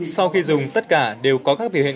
sau khi dùng tất cả đều có các biểu hiện